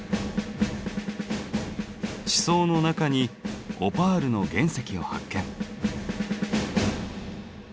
地層の中にオパールの原石を発見。